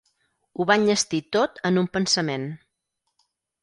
Ho va enllestir tot en un pensament.